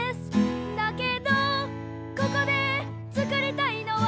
「だけどここで作りたいのは」